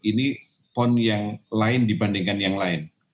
ini pon yang lain dibandingkan yang lain